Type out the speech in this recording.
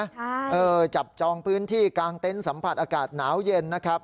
ใช่เออจับจองพื้นที่กลางเต็นต์สัมผัสอากาศหนาวเย็นนะครับ